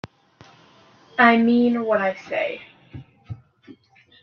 I mean what I say.